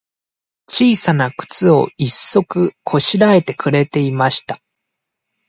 ちいさなくつを、一足こしらえてくれていました。